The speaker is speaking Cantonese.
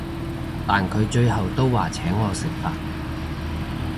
但佢最後都話請我食飯